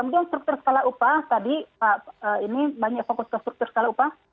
kemudian struktur skala upah tadi pak ini banyak fokus ke struktur skala upah